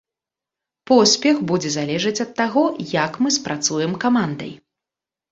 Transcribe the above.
Поспех будзе залежыць ад таго, як мы спрацуем камандай.